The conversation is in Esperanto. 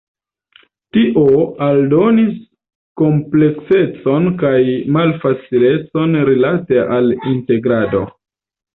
Tio aldonis kompleksecon kaj malfacilecon rilate al integrado.